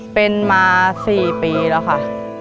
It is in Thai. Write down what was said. เป็นมา๔ปีแล้วค่ะ